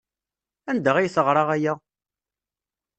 Anda ay teɣra aya?